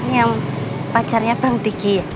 ini pacarnya apa yang tiki ya